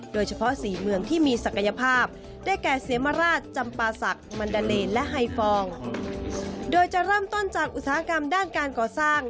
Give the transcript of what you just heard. โดยจะเริ่มต้นจากอุตสาหกรรมด้านการก่อสร้าง